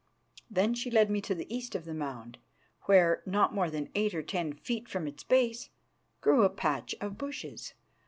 Then she led me to the east of the mound, where, not more than eight or ten feet from its base, grew a patch of bushes.